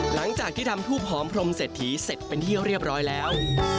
หลังจากที่ทำทูบหอมพรมเศรษฐีเสร็จเป็นที่เรียบร้อยแล้ว